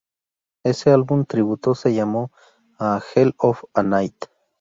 Ese álbum tributo se llamó 'A Hell of a Night'.